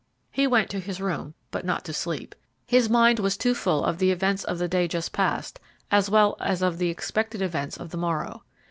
He went to his room, but not to sleep. His mind was too full of the events of the day just passed, as well as of the expected events of the morrow.